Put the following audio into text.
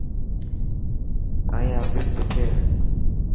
تائن آفيس ڪٿي هي.